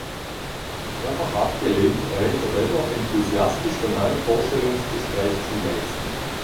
Mehrfach abgelehnt, rennt er dennoch enthusiastisch von einem Vorstellungsgespräch zum nächsten.